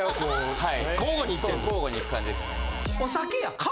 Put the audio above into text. はい。